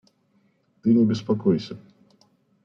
Ты не беспокойся.